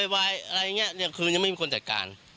อะไรอย่างนี้คือยังไม่มีคนจัดการ